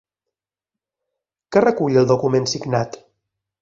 Què recull el document signat?